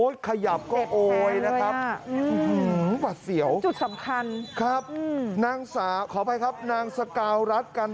ล่มมันลงก่อนน้ำมันจะร้ายไม่ได้น้ำมันจะร้ายไม่ได้น้ำมันจะร้ายไม่ได้